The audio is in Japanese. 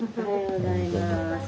おはようございます。